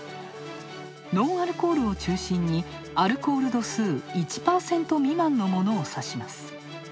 ノンアルコールを中心に、アルコール度数１％未満のものを指します。